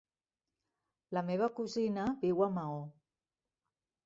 La meva cosina viu a Maó.